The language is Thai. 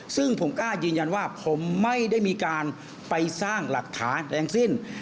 ซึ่งผมกล้ายืนยันว่าผมไม่ได้มีการไปสร้างหลักฐานแรงสิ้น